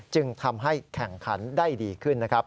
จึงทำให้แข่งขันได้ดีขึ้นนะครับ